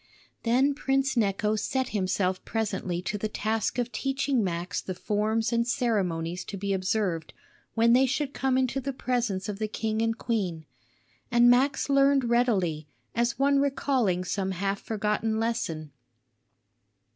Then Prince Necho set himself presently to the task of teaching Max the forms and ceremonies to be observed when they should come into the presence of the king and queen; and Max learned readily, as one recalling some half forgotten lesson.